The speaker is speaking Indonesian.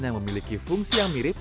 yang memiliki fungsi yang mirip